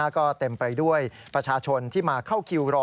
ก็เต็มไปด้วยประชาชนที่มาเข้าคิวรอ